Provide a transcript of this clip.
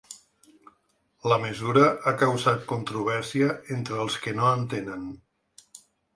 La mesura ha causat controvèrsia entre els que no en tenen.